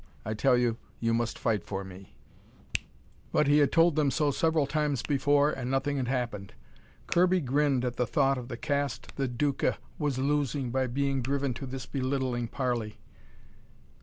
I tell you, you must fight for me!" But he had told them so several times before and nothing had happened. Kirby grinned at the thought of the caste the Duca was losing by being driven to this belittling parley.